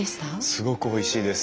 すごくおいしいです。